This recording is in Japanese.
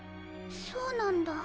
そうなんだ。